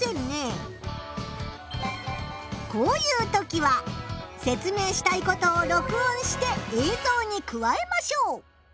こういうときは説明したいことを録音して映像に加えましょう。